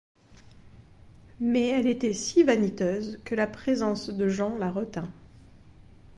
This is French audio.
Mais elle était si vaniteuse, que la présence de Jean la retint.